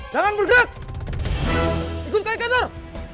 jangan bergerak ikut saya kator